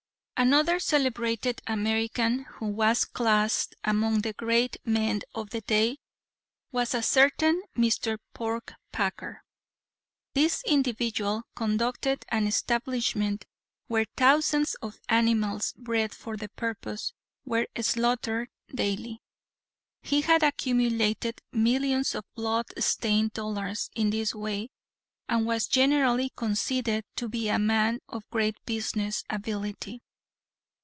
Another celebrated American who was classed among the great men of the day was a certain Mr. Porkpacker. This individual conducted an establishment where thousands of animals, bred for the purpose, were slaughtered daily. He had accumulated millions of blood stained dollars in this way, and was generally conceded to be a man of great business ability.